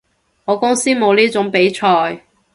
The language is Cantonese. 我公司冇呢種比賽